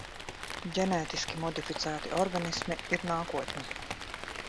Ģenētiski modificēti organismi ir nākotne.